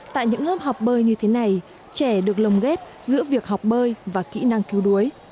tại những lớp học bơi như thế này trẻ được lồng ghép giữa việc học bơi và kỹ năng cứu đuối